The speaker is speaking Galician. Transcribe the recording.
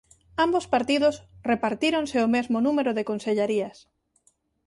Ambos partidos repartíronse o mesmo número de consellarías.